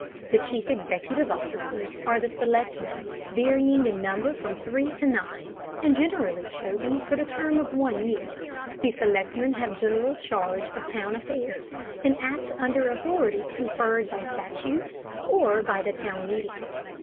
The chief executive officers are the selectmen, varying in number from three to nine, and generally chosen for the term of one year. The selectmen have general charge of town affairs, and act under authority conferred by statute or by the town meeting.